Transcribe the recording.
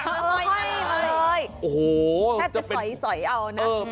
แทบจะสอยเอานะ